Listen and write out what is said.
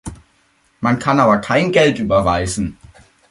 Man kann aber kein Geld überweisen.